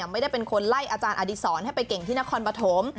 ไม่ได้เป็นคนไล่อาจารย์อดีศรให้ไปเก่งที่นครปฐม